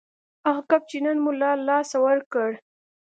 هغه کب چې نن مو له لاسه ورکړ